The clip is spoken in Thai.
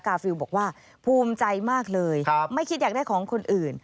ฟิลบอกว่าภูมิใจมากเลยไม่คิดอยากได้ของคนอื่น